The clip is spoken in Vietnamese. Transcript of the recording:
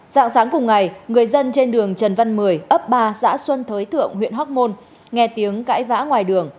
dạng sáng cùng ngày người dân trên đường trần văn mười ấp ba xã xuân thới thượng huyện hóc môn nghe tiếng cãi vã ngoài đường